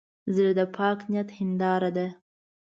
زړه د پاک نیت هنداره ده.